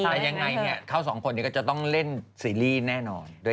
แต่ยังไงเขาสองคนก็จะต้องเล่นซีรีส์แน่นอน